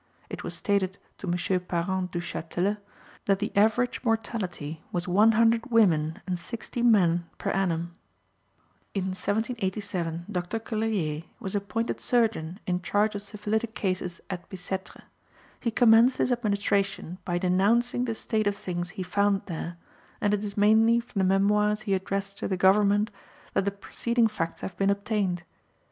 It was stated to M. Parent Duchatelet that the average mortality was one hundred women and sixty men per annum. In 1787, Dr. Cullerier was appointed surgeon in charge of syphilitic cases at Bicêtre. He commenced his administration by denouncing the state of things he found there, and it is mainly from the memoires he addressed to the government that the preceding facts have been obtained.